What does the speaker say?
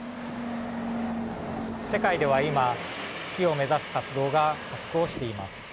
世界では今月を目指す活動が加速をしています。